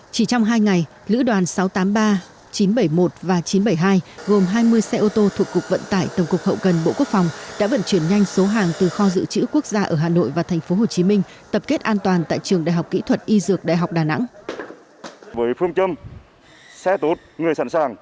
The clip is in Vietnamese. chỉ trong hai ngày lữ đoàn sáu trăm tám mươi ba chín trăm bảy mươi một và chín trăm bảy mươi hai gồm hai mươi xe ô tô thuộc cục vận tải tổng cục hậu cần bộ quốc phòng đã vận chuyển nhanh số hàng từ kho dự trữ quốc gia ở hà nội và tp hcm tập kết an toàn tại trường đại học kỹ thuật y dược đại học đà nẵng